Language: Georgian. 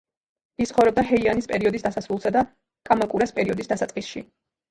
ის ცხოვრობდა ჰეიანის პერიოდის დასასრულსა და კამაკურას პერიოდის დასაწყისში.